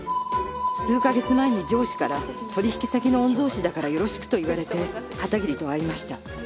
数カ月前に上司から取引先の御曹司だからよろしくと言われて片桐と会いました。